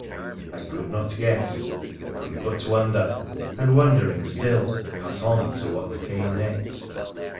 I could not guess — I could but wonder — and, wondering still, pass on to what came next.